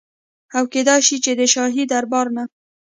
او کيدی شي چي د شاهي دربار نه